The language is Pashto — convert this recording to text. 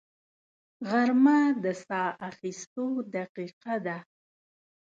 غرمه د ساه اخیستو دقیقه ده